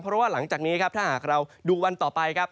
เพราะว่าหลังจากนี้ครับถ้าหากเราดูวันต่อไปครับ